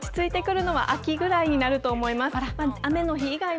落ち着いてくるのは秋ぐらいになると思います。